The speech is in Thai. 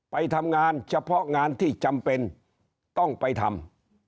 ไปทำงานเฉพาะงานที่จำเป็นต้องไปทำ